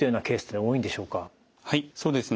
はいそうですね。